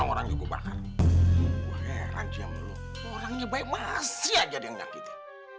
orangnya baik masih aja yang nyakit ya